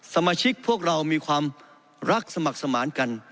สมาชิกพวกเรามีความรักสมัครสมานกัน